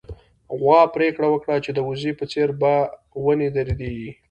غوا پرېکړه وکړه چې د وزې په څېر په ونې ودرېږي.